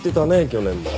去年も。